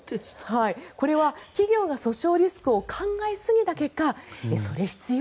これは企業が訴訟リスクを考えすぎた結果それ必要？